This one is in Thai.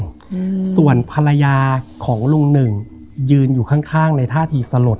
อืมส่วนภรรยาของลุงหนึ่งยืนอยู่ข้างข้างในท่าทีสลด